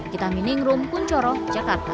kita mining room puncoroh jakarta